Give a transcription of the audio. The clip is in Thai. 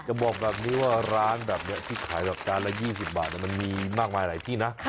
บอกแบบนี้ว่าร้านแบบนี้ที่ขายแบบจานละ๒๐บาทมันมีมากมายหลายที่นะ